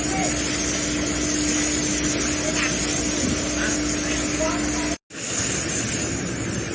เมื่อเวลาเกิดขึ้นมันกลายเป้าหมาย